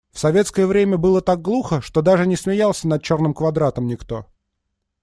В советское время было так глухо, что даже не смеялся над «Черным квадратом» никто.